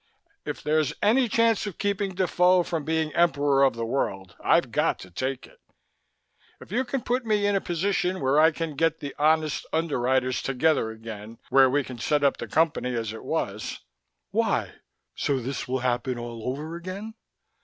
If there's any chance of keeping Defoe from being emperor of the world, I've got to take it. If you can put me in a position where I can get the honest Underwriters together again, where we can set up the Company as it was " "Why? So this will happen all over again?"